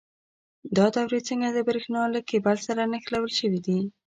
دا دورې څنګه د برېښنا له کیبل سره نښلول شوي دي؟